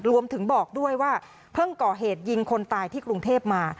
บอกด้วยว่าเพิ่งก่อเหตุยิงคนตายที่กรุงเทพมา